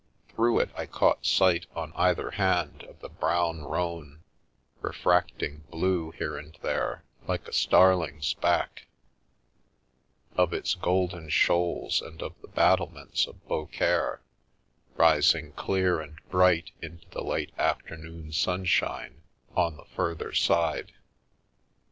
Through it I caught sight, on either hand, of the brown Rhone, refracting blue here and there, like a starling's back; of its golden shoals and of the battlements of Beaucaire rising clear and bright into the late afternoon sunshine on the further side.